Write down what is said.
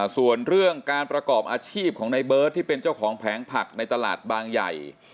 ส่วนเรื่องการประกอบอาชีพของในเบิร์ตที่เป็นเจ้าของแผงผักในตลาดบางใหญ่